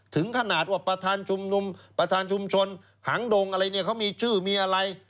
ถึงขนาดว่าประธานชุมชนหังดงอะไรเขามีชื่อมีอะไร